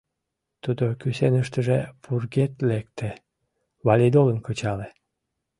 Тудо кӱсеныштыже пургед лекте, валидолым кычале.